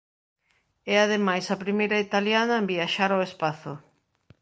É ademais a primeira italiana en viaxar ao espazo.